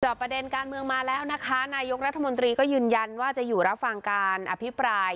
ประเด็นการเมืองมาแล้วนะคะนายกรัฐมนตรีก็ยืนยันว่าจะอยู่รับฟังการอภิปราย